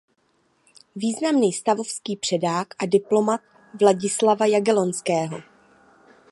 Významný stavovský předák a diplomat Vladislava Jagellonského.